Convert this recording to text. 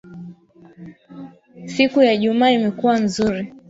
Siku ya ijumaa imekuwa nzuri